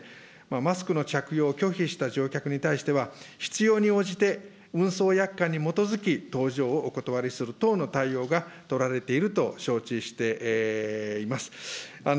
マスクの着用を拒否した乗客に対しては、必要に応じて運送約款に基づいて、搭乗をお断りする等の対応が取られていると承知しています。